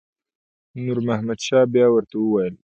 نور محمد شاه بیا ورته وویل.